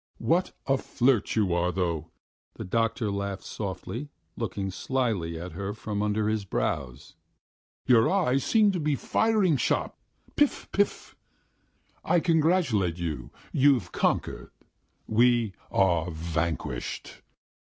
"What a flirt you are, though!" the doctor laughed softly, looking slyly at her from under his brows. "Your eyes seem to be firing shot: piff paff! I congratulate you: you've conquered! We are vanquished!"